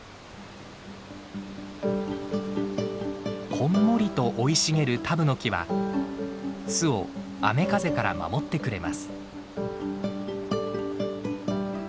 こんもりと生い茂るタブノキは巣を雨風から守ってくれます。